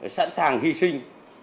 sẵn sàng hy sinh